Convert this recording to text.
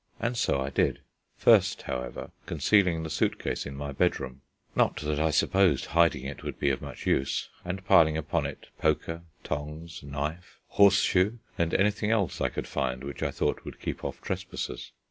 And so I did; first, however, concealing the suit case in my bedroom not that I supposed hiding it would be of much use and piling upon it poker, tongs, knife, horseshoe, and anything else I could find which I thought would keep off trespassers.